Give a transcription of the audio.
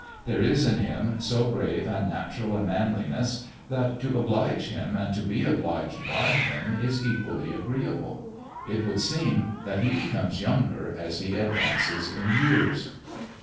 There is in him so grave and natural a manliness, that to oblige him and to be obliged by him is equally agreeable. It would seem that he becomes younger as he advances in years.